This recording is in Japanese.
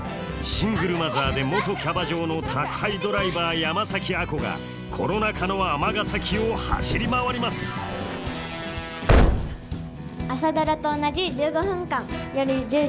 シングルマザーで元キャバ嬢の宅配ドライバー山崎亜子がコロナ禍の尼崎を走り回ります「朝ドラ」と同じ１５分間。